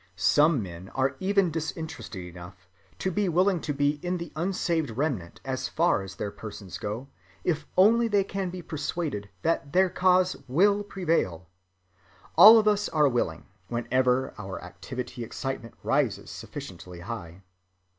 Some men are even disinterested enough to be willing to be in the unsaved remnant as far as their persons go, if only they can be persuaded that their cause will prevail—all of us are willing, whenever our activity‐ excitement rises sufficiently high.